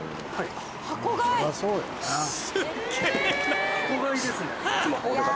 すっげぇな。